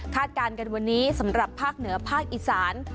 การกันวันนี้สำหรับภาคเหนือภาคอีสาน